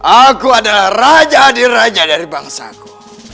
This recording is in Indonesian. aku adalah raja diraja dari bangsa aku